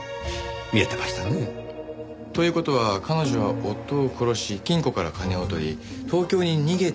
見えてましたね。という事は彼女は夫を殺し金庫から金を取り東京に逃げてきた。